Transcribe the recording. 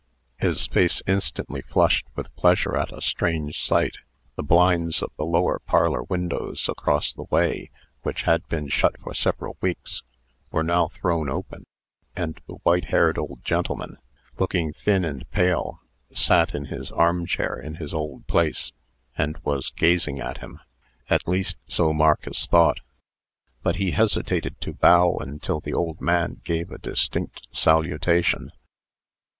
His face instantly flushed with pleasure at a strange sight. The blinds of the lower parlor windows across the way, which had been shut for several weeks, were now thrown open, and the white haired old gentleman, looking thin and pale, sat in his armchair in his old place, and was gazing at him. At least so Marcus thought; but he hesitated to bow until the old gentleman gave a distinct salutation.